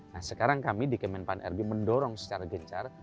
nah sekarang kami di kemenpan rg mendorong secara gencar